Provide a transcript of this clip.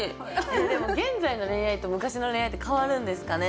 でも現在の恋愛と昔の恋愛って変わるんですかね？